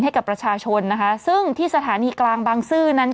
ให้กับประชาชนนะคะ